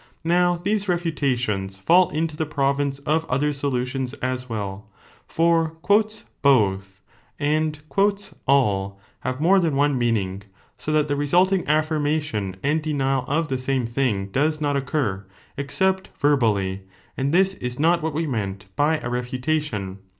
Now these refutations fall into the province of other solutions as well : for both and all have more than one 20 meaning, so that the resulting affirmation and denial of the same thing does not occur, except verbally : and this is not what we meant by a refutation.